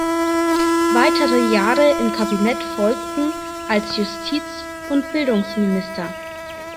Weitere Jahre im Kabinett folgten als Justiz- und Bildungsminister.